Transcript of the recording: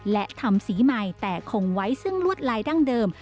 และทำสีใหม่แต่คงไว้ซึ่งลวดลายดั้งเดิม